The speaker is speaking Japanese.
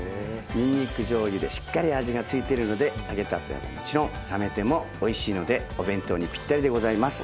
にんにくじょうゆでしっかり味が付いてるので揚げたてはもちろん冷めてもおいしいのでお弁当にぴったりでございます。